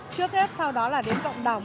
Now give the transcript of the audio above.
trước hết sau đó là đến cộng đồng